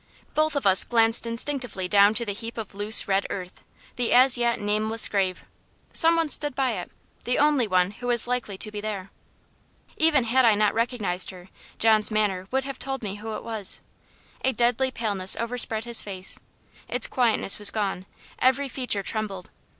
Both of us glanced instinctively down to the heap of loose red earth the as yet nameless grave. Some one stood beside it the only one who was likely to be there. Even had I not recognized her, John's manner would have told me who it was. A deadly paleness overspread his face its quietness was gone every feature trembled.